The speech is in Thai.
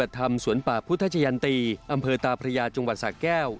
ปฏิบัติธรรมสวนป่าพุทธชะยันตีอำเภอตาพระยาจังหวัดสาแก้ว